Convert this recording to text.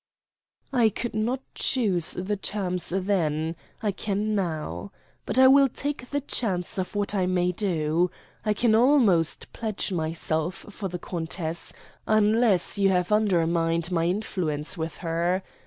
"I could not choose the terms then; I can now. But I will take the chance of what I may do. I can almost pledge myself for the countess, unless you have undermined my influence with her.